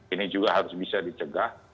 ini juga harus bisa dicegah